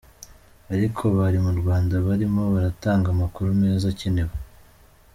Ariko bari mu Rwanda barimo baratanga amakuru meza akenewe.”